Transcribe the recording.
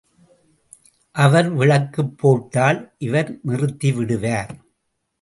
அவர் விளக்கு போட்டால் இவர் நிறுத்தி விடுவார்.